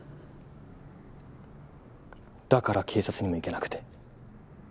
だから警察にも行けなくて。